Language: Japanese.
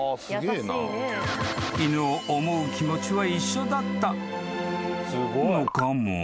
［犬を思う気持ちは一緒だったのかも？］